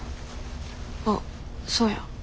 あっそうや。